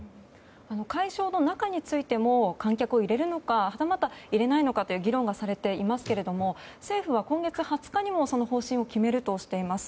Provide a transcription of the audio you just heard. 会場の中についても観客を入れるのかはたまた入れないのかという議論がされていますが政府は今月２０日にもその方針を決めるとしています。